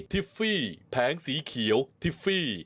ทิฟฟี่แผงสีเขียวทิฟฟี่